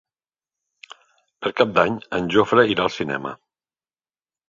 Per Cap d'Any en Jofre irà al cinema.